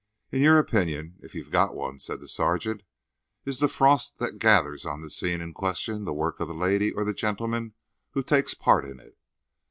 "In your opinion, if you've got one," said the sergeant, "is the frost that gathers on the scene in question the work of the lady or the gentleman who takes part in it?"